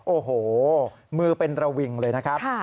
โอ้โหมือเป็นระวิงเลยนะครับ